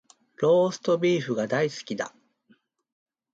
ローストビーフが大好きだ